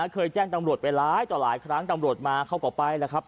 เคยแจ้งตำรวจไปหลายต่อหลายครั้งตำรวจมาเขาก็ไปแล้วครับ